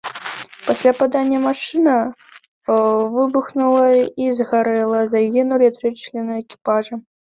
Пасля падання машына выбухнула і згарэла, загінулі тры члены экіпажа.